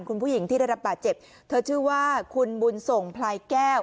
คุณผู้หญิงที่ได้รับบาดเจ็บเธอชื่อว่าคุณบุญส่งพลายแก้ว